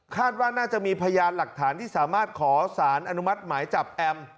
ว่าน่าจะมีพยานหลักฐานที่สามารถขอสารอนุมัติหมายจับแอม